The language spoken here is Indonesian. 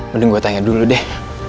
mending gue tanya dulu deh